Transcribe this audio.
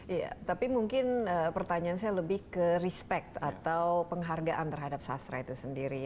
iya tapi mungkin pertanyaan saya lebih ke respect atau penghargaan terhadap sastra itu sendiri